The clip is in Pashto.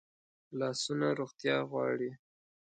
لاسونه روغتیا غواړي